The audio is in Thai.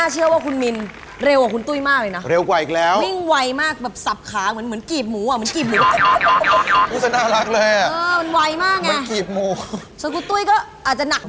เพราะว่าเรามีพาชนะ